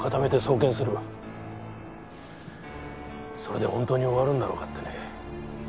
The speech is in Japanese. それで本当に終わるんだろうかってね。